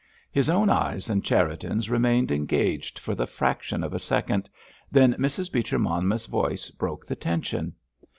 His own eyes and Cherriton's remained engaged for the fraction of a second, then Mrs. Beecher Monmouth's voice broke the tension.